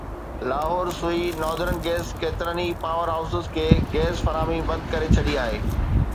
Lahore Sui Northern Gas ڪيترن ئي power houses کي گئس فراهمي بند ڪري ڇڏي آهي